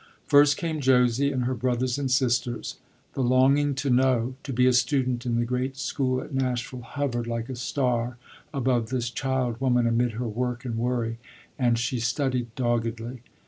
First came Josie and her brothers and sisters. The longing to know, to be a student in the great school at Nashville, hovered like a star above this child woman amid her work and worry, and she studied doggedly.